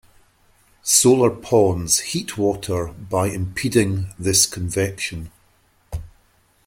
Solar ponds heat water by impeding this convection.